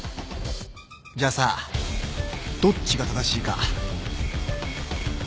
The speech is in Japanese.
じゃあさどっちが正しいか賭けてみる？